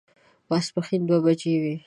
ماسپښين دوه بجې وې.